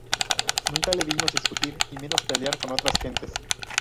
Nunca le vimos discutir y menos pelear con otras gentes.